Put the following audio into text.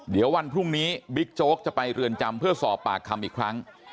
เดี๋ยววันพรุ่งนี้บิ๊กโจ๊กจะไปเรือนจำเพื่อสอบปากคำอีกครั้ง